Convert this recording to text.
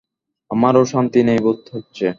আমারও শান্তি নেই বোধ হচ্ছে।